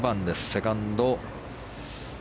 セカンド。